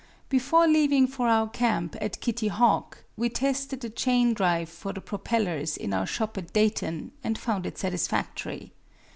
Before leaving for our camp at Kitty Hawk we tested the chain drive for the propellers in our shop at Dayton, and found it satisfactory.